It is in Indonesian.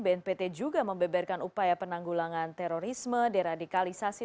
bnpt juga membeberkan upaya penanggulangan terorisme deradikalisasi